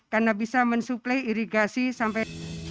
karena bisa mensuplai irigasi sampai